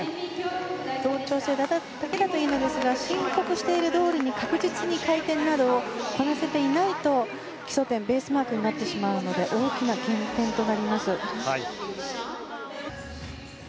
同調性だけだといいのですが申告しているどおりに確実に回転などをこなせていないと基礎点ベースマークになってしまうので大きな減点となります。